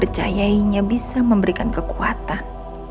aku hanya bisa memberikan kekuatan